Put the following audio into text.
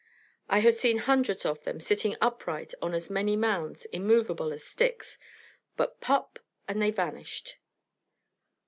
I have seen hundreds of them sitting upright on as many mounds, immovable as sticks, but pop! and they vanished.